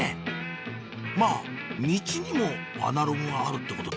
まぁミチにもアナログがあるってこと